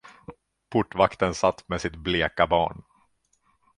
Portvakten satt med sitt bleka barn.